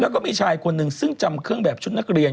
แล้วก็มีชายคนหนึ่งซึ่งจำเครื่องแบบชุดนักเรียน